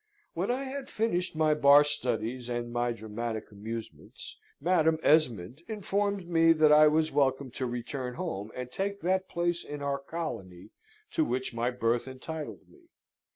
When I had finished my bar studies and my dramatic amusements, Madam Esmond informed me that I was welcome to return home and take that place in our colony to which my birth entitled me.